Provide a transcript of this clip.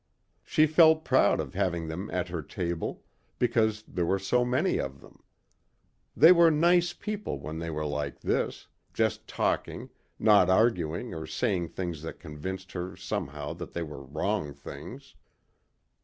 She felt proud of having them at her table, because there were so many of them. They were nice people when they were like this just talking, not arguing or saying things that convinced her somehow that they were wrong things.